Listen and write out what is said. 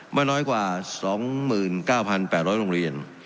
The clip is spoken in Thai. ไม่น้อยกว่า๒๙๘๐๐โรงเรียน